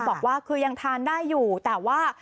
ทุกคนอาหารก็ยังทานได้อยู่แต่ว่า